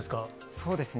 そうですね。